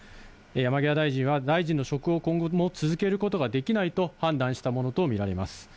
山際大臣は大臣の職を今後も続けることができないと判断したものと見られます。